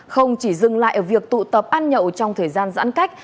không chỉ dừng lại ở việc tụ tập ăn nhậu trong thời gian giãn cách